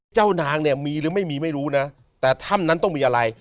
เจ้านางเนี่ยมีหรือไม่มีไม่รู้นะแต่ถ้ำนั้นต้องมีอะไร